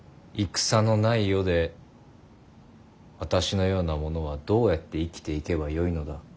戦のない世で私のような者はどうやって生きていけばよいのだ。